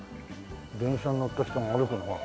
電車に乗った人が歩くのかな？